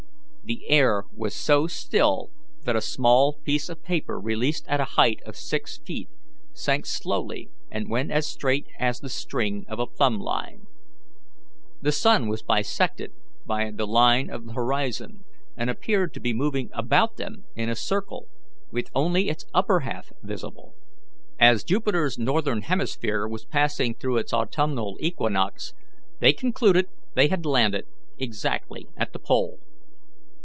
The air was so still that a small piece of paper released at a height of six feet sank slowly and went as straight as the string of a plumb line. The sun was bisected by the line of the horizon, and appeared to be moving about them in a circle, with only its upper half visible. As Jupiter's northern hemisphere was passing through its autumnal equinox, they concluded they had landed exactly at the pole.